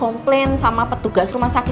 harusnya ikut abang